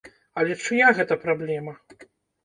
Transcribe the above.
Але чыя гэта праблема?